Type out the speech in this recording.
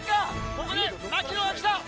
ここで槙野が来た。